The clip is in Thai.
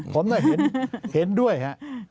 ผมก็เห็นด้วยครับ